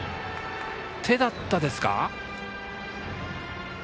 手だったですか。